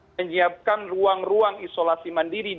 menyiapkan ruang ruang isolasi mandiri